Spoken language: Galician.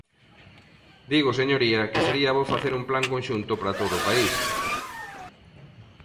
Digo, señoría, que sería bo facer un plan conxunto para todo o país.